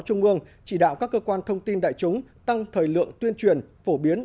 trung ương chỉ đạo các cơ quan thông tin đại chúng tăng thời lượng tuyên truyền phổ biến